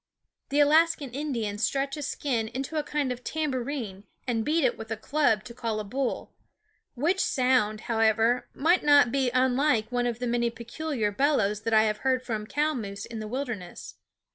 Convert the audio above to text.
The Alaskan Indians stretch a skin into a kind of tam bourine and beat it with a club to call a bull; which sound, however, might not be unlike one of the many peculiar bellows that I have heard from cow moose in the wilderness.